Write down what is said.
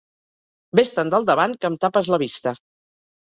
Ves-te'n del davant, que em tapes la vista.